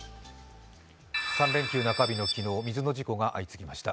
３連休中日の昨日、水の事故が相次ぎました。